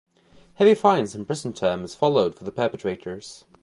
Heavy fines and prison terms followed for the perpetrators.